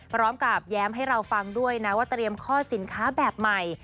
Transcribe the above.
พร้อมกับแย้มให้เราฟังด้วยนะว่าเตรียมข้อสินค้าแบบใหม่